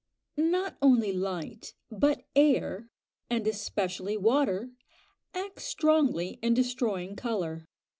Not only light, but air, and especially water, act strongly in destroying colour.